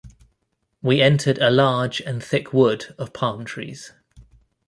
We entered a large and thick wood of palm-trees.